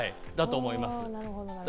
湿度だと思います。